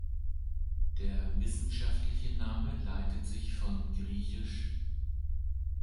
Der wissenschaftliche Name leitet sich von gr.